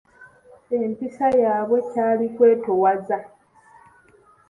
Empisa yaabwe kwali kwetoowaza.